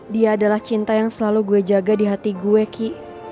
dia adalah cinta yang selalu gue jaga di hati gue ki